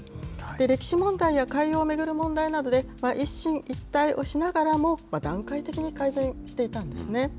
歴史問題や海洋を巡る問題などで、一進一退をしながらも、段階的に改善していったんですね。